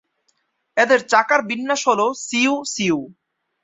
এদের চাকার বিন্যাস হলো সিও-সিও।